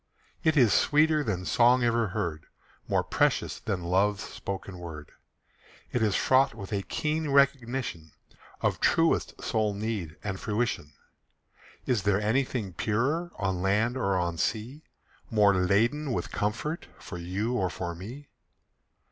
It is sweeter than song ever heard, More precious than love's spoken word. It is fraught with a keen recognition Of truest soul need and fruition. Is there anything purer On land or on sea, More laden with comfort For you or for me?